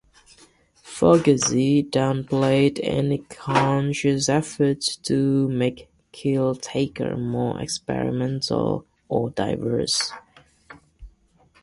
Fugazi downplayed any conscious efforts to make "Kill Taker" more experimental or diverse.